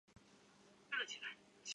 宣美及朴轸永等明星亦到场支持。